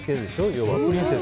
要は。